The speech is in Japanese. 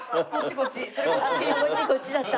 こっちだった。